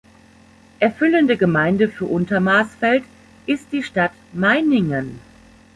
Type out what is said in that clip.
Erfüllende Gemeinde für Untermaßfeld ist die Stadt Meiningen.